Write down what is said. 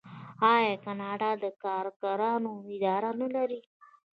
آیا کاناډا د کارګرانو اداره نلري؟